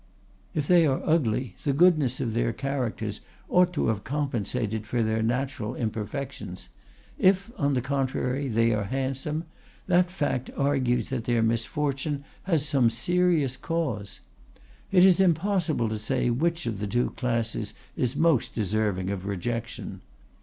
If they are ugly, the goodness of their characters ought to have compensated for their natural imperfections; if, on the contrary, they are handsome, that fact argues that their misfortune has some serious cause. It is impossible to say which of the two classes is most deserving of rejection.